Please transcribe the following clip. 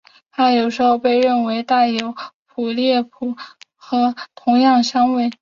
它有时候被认为是带有和普列薄荷同样香味。